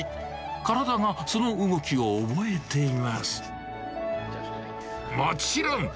体がその動きを覚えています。